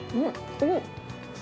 おっ！